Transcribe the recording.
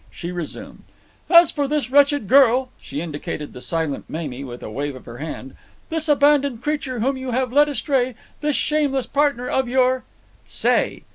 She resumed: "As for this wretched girl"—she indicated the silent Mamie with a wave of her hand—"this abandoned creature whom you have led astray, this shameless partner of your——" "Say!"